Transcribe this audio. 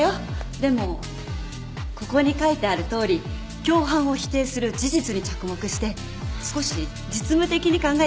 でもここに書いてあるとおり共犯を否定する事実に着目して少し実務的に考えてみるのもいいかもよ。